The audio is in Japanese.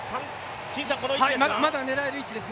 まだ狙える位置です